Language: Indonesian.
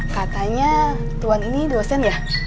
katanya tuhan ini dosen ya